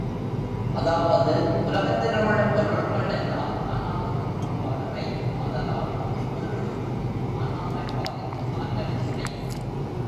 அதாவது, உலகத்திலுள்ள பொருள்கள் எல்லாம் ஆன்மாவுக்குப் புறம்பானவை ஆதலால் எப்பொருளுக்கும் ஆன்மாவைப் பாதிக்கும் ஆற்றலில்லை.